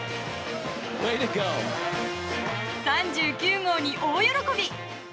３９号に大喜び。